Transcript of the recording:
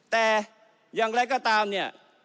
แต่อย่างไรก็ตามเนี่ย